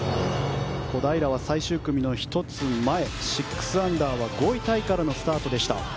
小平は最終組の１つ前６アンダー５位タイからのスタートでした。